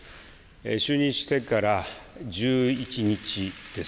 就任してから１１日です。